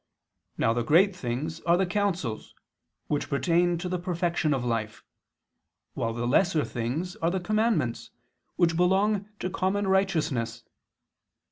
Now the great things are the counsels which pertain to the perfection of life, while the lesser things are the commandments which belong to common righteousness.